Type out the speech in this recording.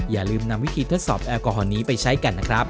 อย่าลืมนำวิธีทดสอบแอลกอฮอลนี้ไปใช้กันนะครับ